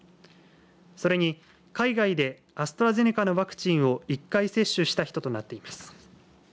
それに、海外でアストラゼネカのワクチンを１回接種した人となっています。